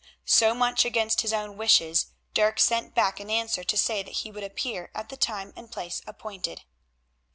So much against his own wishes Dirk sent back an answer to say that he would appear at the time and place appointed.